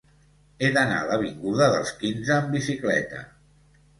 He d'anar a l'avinguda dels Quinze amb bicicleta.